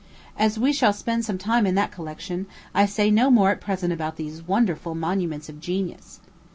As we shall spend some time in that collection, I say no more at present about these wonderful monuments of genius.